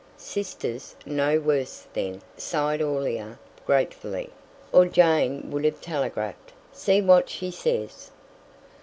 "Sister 's no worse, then," sighed Aurelia gratefully, "or Jane would have telegraphed. See what she says."